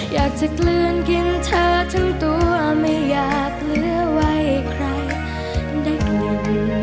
อยากจะเกลือนกินเธอทั้งตัวไม่อยากเหลือไว้ให้ใครได้กิน